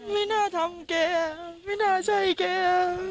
ไม่น่าทำแกไม่น่าใช่แก